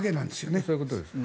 そういうことですね。